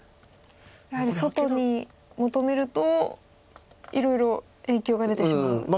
やはり外に求めるといろいろ影響が出てしまう。